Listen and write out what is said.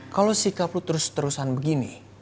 kalau sikap lu terus terusan begini